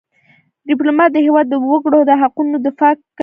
ډيپلومات د هېواد د وګړو د حقوقو دفاع کوي .